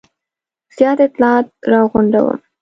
زیات اطلاعات را غونډوم.